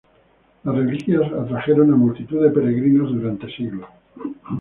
Las reliquias atrajeron a multitud de peregrinos durante siglos.